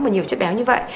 nhiều chất béo như vậy